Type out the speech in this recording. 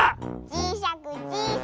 ちいさくちいさく。